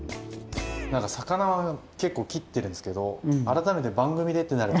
なんか魚は結構切ってるんですけど改めて番組でってなると緊張しますね。